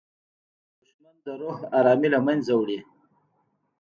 دښمن د روح ارامي له منځه وړي